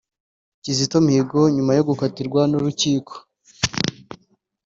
Kizito Mihigo nyuma yo gukatirwa n’urukiko